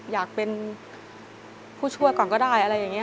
อยากเป็นผู้ช่วยก่อนก็ได้อะไรอย่างนี้